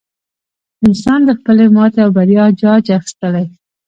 انسان د خپلې ماتې او بریا جاج اخیستلی.